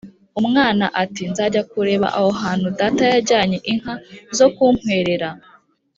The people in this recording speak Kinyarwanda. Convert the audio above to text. Umwana ati: "Nzajya kureba aho hantu data yajyanye inka zo kunkwerera."